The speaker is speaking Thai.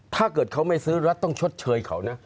ถ้าเกิดเขาไม่ซื้อรัฐต้องชดเชยเขานะ